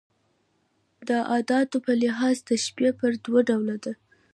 د اداتو په لحاظ تشبېه پر دوه ډوله ده.